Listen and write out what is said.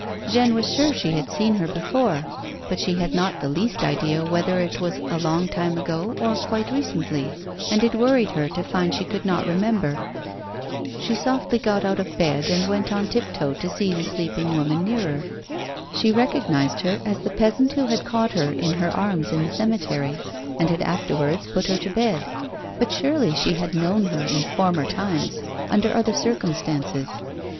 Jeanne was sure she had seen her before, but she had not the least idea whether it was a long time ago or quite recently, and it worried her to find she could not remember. She softly got out of bed, and went on tip toe to see the sleeping woman nearer. She recognised her as the peasant who had caught her in her arms in the cemetery, and had afterwards put her to bed ; but surely she had known her in former times, under other circumstances.